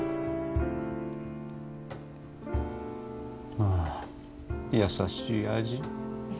ああ、優しい味。